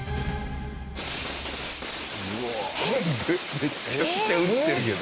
めちゃくちゃ撃ってるけど。